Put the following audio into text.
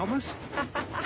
アハハハ。